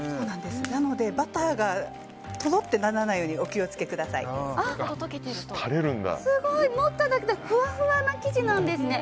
なので、バターがとろってならないようにわあ、すごい！持っただけでふわふわな生地なんですね。